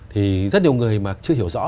thì rất nhiều người mà chưa hiểu rõ